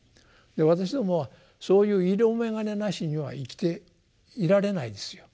私どもはそういう色眼鏡なしには生きていられないですよ。